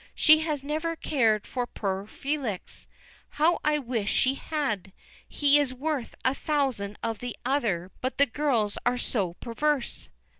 "She has never cared for poor Felix. How I wish she had. He is worth a thousand of the other; but girls are so perverse."